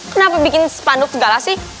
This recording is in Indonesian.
kenapa bikin sepanduk segala sih